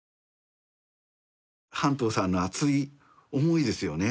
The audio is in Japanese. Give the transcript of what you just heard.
半藤さんの熱い思いですよね